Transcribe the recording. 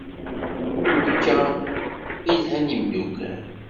I wakka i lhan yemdukal.